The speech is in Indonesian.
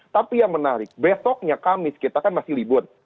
tapi yang menarik besoknya kamis kita kan masih libur